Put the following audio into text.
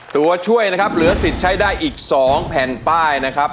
ตัวช่วยนะครับเหลือสิทธิ์ใช้ได้อีก๒แผ่นป้ายนะครับ